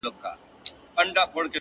o په گيلاس او په ساغر دي اموخته کړم،